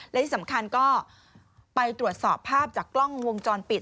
และที่สำคัญก็ไปตรวจสอบภาพจากกล้องวงจรปิด